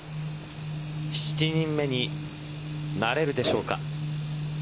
７人目になれるでしょうか。